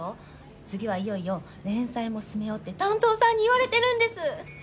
次はいよいよ連載も進めようって担当さんに言われてるんです！